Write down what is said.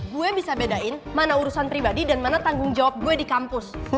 gue bisa bedain mana urusan pribadi dan mana tanggung jawab gue di kampus